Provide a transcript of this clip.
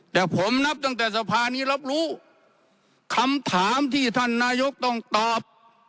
แต่ผมนับตั้งแต่สภานี้รับรู้คำถามที่ท่านนายกต้องตอบ